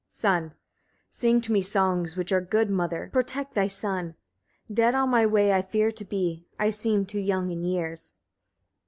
Son. 5. Sing to me songs which are good. Mother! protect thy son. Dead on my way I fear to be. I seem too young in years.